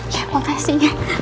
ya makasih ya